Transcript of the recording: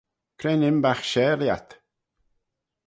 Cre'n imbagh share lhiat?